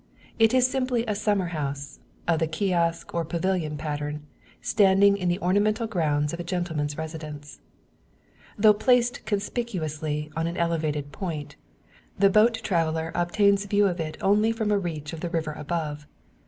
It is simply a summer house, of the kiosk or pavilion pattern, standing in the ornamental grounds of a gentleman's residence. Though placed conspicuously on an elevated point, the boat traveller obtains view of it only from a reach of the river above.